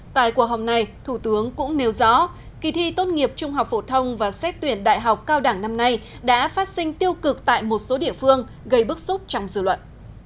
tại cuộc họp này thủ tướng cũng nêu rõ kỳ thi tốt nghiệp trung học phổ thông và xét tuyển đại học cao đẳng năm nay đã phát sinh tiêu cực tại một số địa phương gây bức xúc trong dự luận